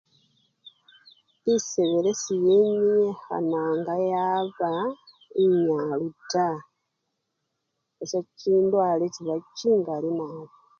Esebele seyenyikhananga yaba enyalu taa busa chindwale chiba chingali nabii.